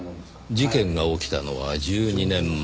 事件が起きたのは１２年前。